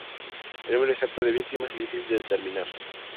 El número exacto de víctimas es difícil de determinar.